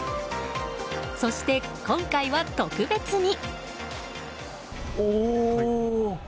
そして、今回は特別に。